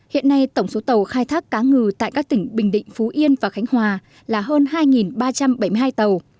hiện nay tổng số tàu khai thác cá ngừ tại các tỉnh bình định phú yên và khánh hòa là hơn hai ba trăm bảy mươi hai tàu